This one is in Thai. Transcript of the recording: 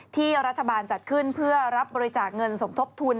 ที่รัฐบาลจัดขึ้นเพื่อรับบริจาคเงินสมทบทุน